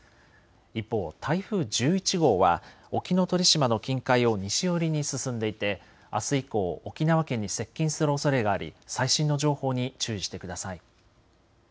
一方、台風１１号は沖ノ鳥島の近海を西寄りに進んでいてあす以降、沖縄県に接近するおそれがあり最新の情報に注意してください。